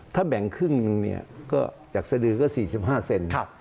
ถ้าแบ่งครึ่งหนึ่งเนี่ยก็จากสดือก็๔๕เซน